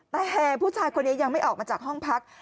แต่แห่ผู้ชายคนนี้ยังไม่ออกมาจากห้องพัก